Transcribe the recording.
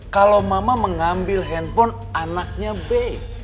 kalau mama mengambil handphone anaknya b